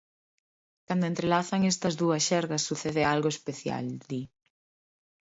Cando entrelazan estas dúas xergas sucede algo especial, di.